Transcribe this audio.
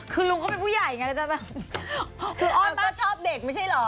คือลุงเขาเป็นผู้ใหญ่ไงจะแบบคืออ้อนป้าชอบเด็กไม่ใช่เหรอ